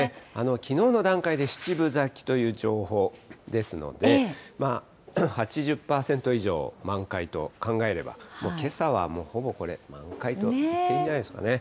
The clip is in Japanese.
きのうの段階で７分咲きという情報ですので、８０％以上を満開と考えれば、もうけさは、もうほぼこれ、満開と言っていいんじゃないでしょうかね。